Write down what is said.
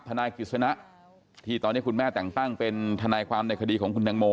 ทนายกิจสนะที่คุณแม่แต่งเป็นทนายความในคดีของคุณทางโม